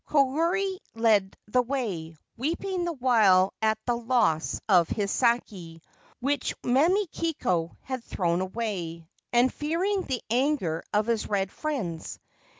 Koyuri led the way, weeping the while at the loss of his sake, which Mamikiko had thrown away, and fearing the anger of his red friends.